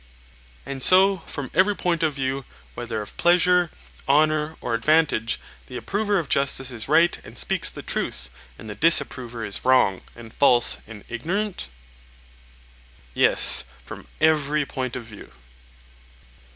And so from every point of view, whether of pleasure, honour, or advantage, the approver of justice is right and speaks the truth, and the disapprover is wrong and false and ignorant? Yes, from every point of view.